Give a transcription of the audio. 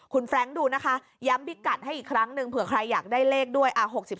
คุณแฟรงค์ดูนะคะย้ำพิกัดให้อีกครั้งหนึ่งเผื่อใครอยากได้เลขด้วย๖๒